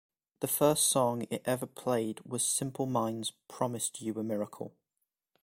The first song it ever played was Simple Minds' "Promised You a Miracle".